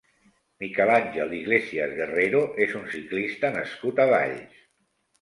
Miquel Àngel Iglesias Guerrero és un ciclista nascut a Valls.